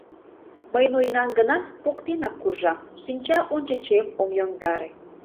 Мый ноенам гынат, поктенак куржам, шинча ончычем ом йомдаре.